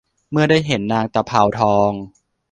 เมื่อได้เห็นนางตะเภาทอง